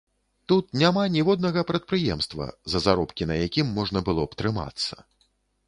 Тут няма ніводнага прадпрыемства, за заробкі на якім можна было б трымацца.